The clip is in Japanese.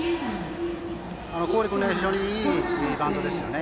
郡君非常にいいバントですね。